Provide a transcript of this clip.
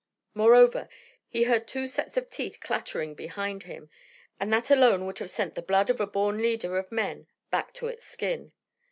Moreover, he heard two sets of teeth clattering behind him, and that alone would have sent the blood of a born leader of men back to its skin.